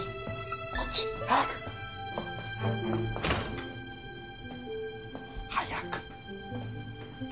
こっち！早く！早く！